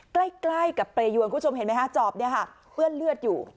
ใกล้ใกล้กับเปรยวนคุณผู้ชมเห็นไหมฮะจอบเนี่ยค่ะเปื้อนเลือดอยู่